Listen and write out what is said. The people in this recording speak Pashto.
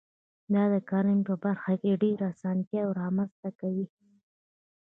دا د کرنې په برخه کې ډېرې اسانتیاوي رامنځته کوي.